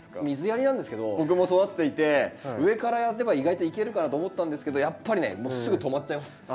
水やりなんですけど僕も育てていて上からやれば意外といけるかなと思ったんですけどやっぱりねもうすぐ止まっちゃいます。